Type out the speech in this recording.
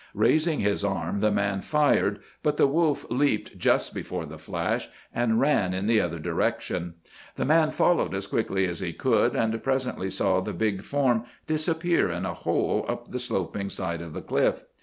Raising his arm the man fired, but the wolf leaped just before the flash and ran in the other direction. The man followed as quickly as he could, and presently saw the big form disappear in a hole up the sloping side of the cliff.